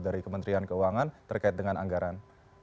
dari kementerian keuangan terkait dengan anggaran